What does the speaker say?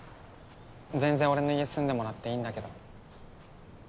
全然俺の家住んでもらっていいんだけど。